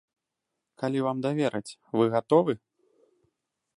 Калі вам давераць, вы гатовы?